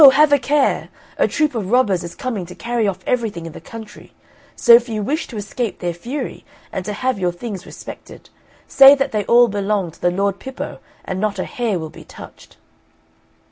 have a care! A troop of robbers is coming to carry off everything in the country. So if you wish to escape their fury, and to have your things respected, say that they all belong to the Lord Pippo, and not a hair will be touched."